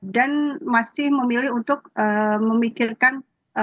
dan masih memilih untuk memikirkan